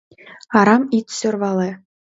Арам ит сӧрвале...